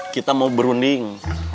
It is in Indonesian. kita mau berunding